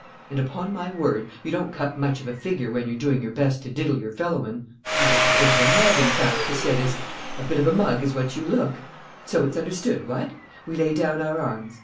And, upon my word, you don't cut much of a figure when you're doing your best to diddle your fellowmen. "You look a bit of a mug, in fact, Caceres: a bit of a mug is what you look. So it's understood, what? We lay down our arms.